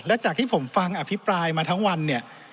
และจากที่ผมฟังอภิปรายมาทั้งวันเนี่ย